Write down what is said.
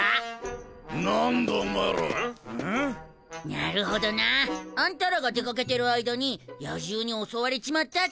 なるほどな。あんたらが出掛けてる間に野獣に襲われちまったってわけか。